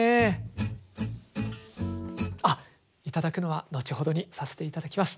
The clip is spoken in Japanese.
あっ頂くのは後ほどにさせていただきます。